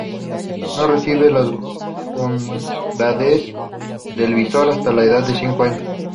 No recibe las bondades del Visor hasta la edad de cinco años.